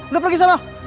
lu pergi sana